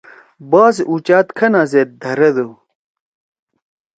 باز اُچات کھنا زید دھردُو۔